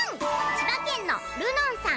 千葉県のるのんさん